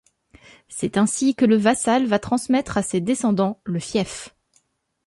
C'est ainsi que le vassal va transmettre à ses descendants le fief.